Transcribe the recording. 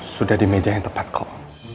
sudah di meja yang tepat kok